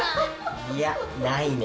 いやないね。